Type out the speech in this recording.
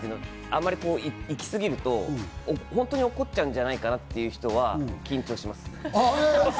あまり行き過ぎると本当に怒っちゃうんじゃないかなという人は緊張します。